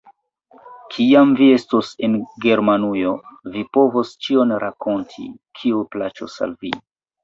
Kiam vi estos en Germanujo, vi povos ĉion rakonti, kio plaĉos al vi.